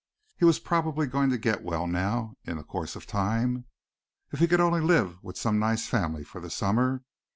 He was probably going to get well now, in the course of time. If he could only live with some nice family for the summer.